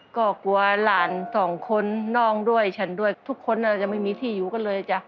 ก็กลัวหลานสองคนน้องด้วยฉันด้วยทุกคนจะไม่มีที่อยู่กันเลยจ้ะ